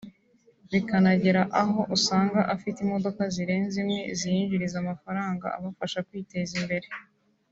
bikanagera aho usanga afite imodoka zirenze imwe ziyinjiriza amafaranga abafasha kwiteza imbere